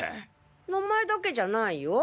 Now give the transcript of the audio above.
名前だけじゃないよ。